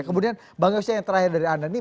kemudian bang yos yang terakhir dari anda nih